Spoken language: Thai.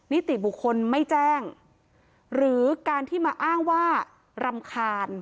นิติบุคคลไม่แจ้งหรือการที่มาอ้างว่ารำคาญ